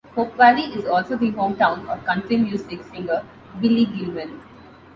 Hope Valley is also the hometown of country music singer Billy Gilman.